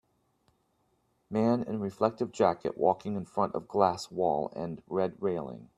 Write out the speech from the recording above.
Man in reflective jacket walking in front of glass wall and red railing.